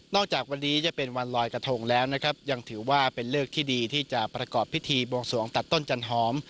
จากวันนี้จะเป็นวันลอยกระทงแล้วนะครับยังถือว่าเป็นเลิกที่ดีที่จะประกอบพิธีบวงสวงตัดต้นจันหอม